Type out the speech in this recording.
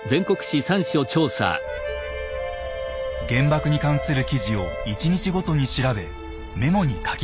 原爆に関する記事を１日ごとに調べメモに書き出します。